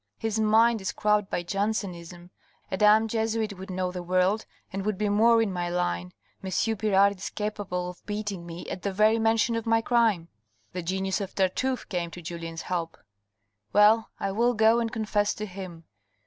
His mind is crabbed by Jansen ism. ... A damned Jesuit would know the world, and would be more in my line. M. Pirard is capable of beating me at the very mention of my crime." The genius of Tartuffe came to Julien's help. " Well, I will go and confess to him."